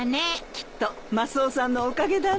きっとマスオさんのおかげだね。